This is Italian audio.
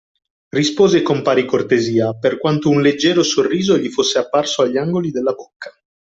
Rispose con pari cortesia, per quanto un leggero sorriso gli fosse apparso agli angoli della bocca.